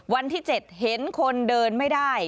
วันที่๗เห็นคนเดินไม่ได้